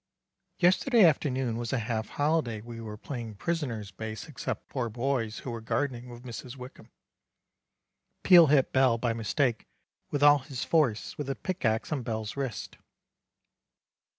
Yesterday afternoon was a half holiday we were playing prisoners base exept four boys who were gardening with Mrs Wickham. Peel hit Bell by mistake with all his force with the pic axe on Bell's wrist.